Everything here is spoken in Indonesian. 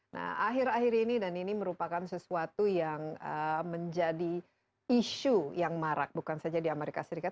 nah akhir akhir ini dan ini merupakan sesuatu yang menjadi isu yang marak bukan saja di amerika serikat